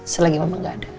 selagi mama nggak ada